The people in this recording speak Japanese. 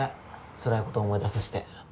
辛いこと思い出させて。